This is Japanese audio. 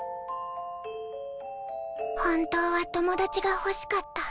本当は友達が欲しかった。